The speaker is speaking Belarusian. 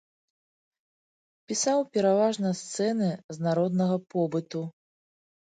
Пісаў пераважна сцэны з народнага побыту.